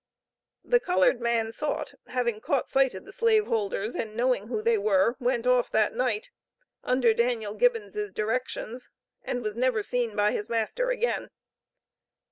The colored man sought, having caught sight of the slaveholders, and knowing who they were, went off that night, under Daniel Gibbons' directions, and was never seen by his master again.